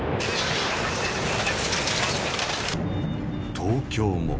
東京も。